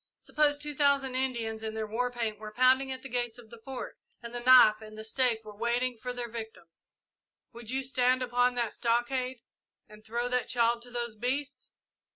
Suppose two thousand Indians in their war paint were pounding at the gates of the Fort, and the knife and the stake were waiting for their victims would you stand upon the stockade and throw that child to those beasts?